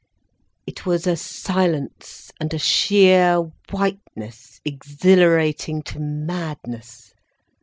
It was a silence and a sheer whiteness exhilarating to madness.